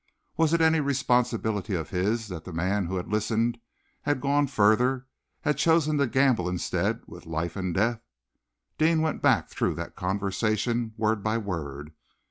Was it any responsibility of his that the man who had listened had gone further had chosen to gamble instead with life and death? Deane went back through that conversation, word by word.